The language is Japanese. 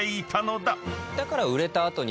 だから売れた後に。